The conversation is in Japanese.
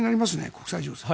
国際情勢。